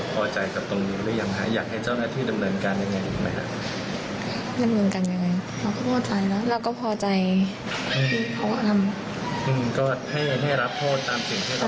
ก็ให้รับโทษตามสิ่งที่เราได้รับโทษตาม